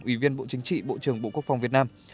ủy viên bộ chính trị bộ trưởng bộ quốc phòng việt nam